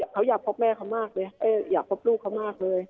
เขาอยากพบแม่เขามากเลยอยากพบลูกเขามากเลย